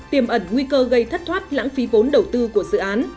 tiềm ẩn nguy cơ gây thất thoát lãng phí vốn đầu tư của dự án